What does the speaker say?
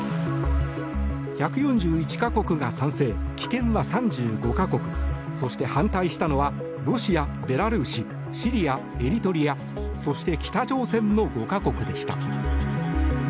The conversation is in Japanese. １４１か国が賛成棄権は３５か国そして反対したのはロシアベラルーシ、シリア、エリトリアそして北朝鮮の５か国でした。